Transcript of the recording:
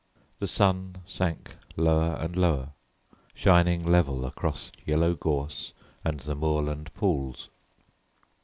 The sun sank lower and lower, shining level across yellow gorse and the moorland pools.